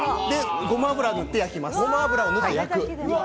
ごま油塗って焼きます。